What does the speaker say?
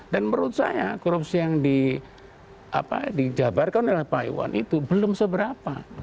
dan menurut saya korupsi yang dijabarkan oleh pak iwan itu belum seberapa